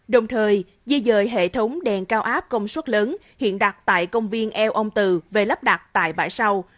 đồng thời di dời hệ thống đèn cao áp công suất lớn hiện đặt tại công viên eo ông từ về lắp đặt tại bãi sau